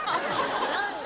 何で？